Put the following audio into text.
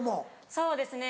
そうですね